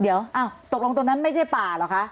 เดี๋ยวตกลงตรงนั้นไม่ใช่ป่าเหรอคะ